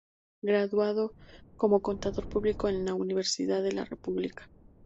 Graduado como contador público en la Universidad de la República.